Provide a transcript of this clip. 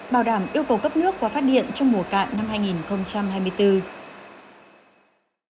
bảo đảm yêu cầu cấp nước và phát điện trong mùa cạn năm hai nghìn hai mươi bốn